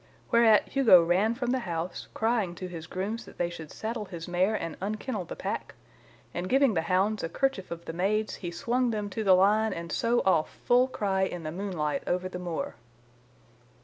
Whereat Hugo ran from the house, crying to his grooms that they should saddle his mare and unkennel the pack, and giving the hounds a kerchief of the maid's, he swung them to the line, and so off full cry in the moonlight over the moor.